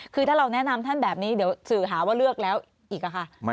คือถ้าเราแนะนำท่านแบบนี้เดี๋ยวสื่อหาว่าเลือกแล้วอีกค่ะ